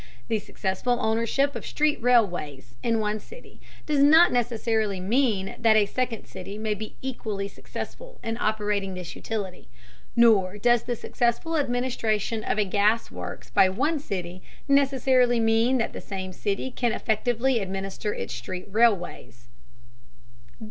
The successful ownership of street railways in one city does not necessarily mean that a second city may be equally successful in operating this utility. Nor does the successful administration of a gas works by one city necessarily mean that the same city can effectively administer its street railways.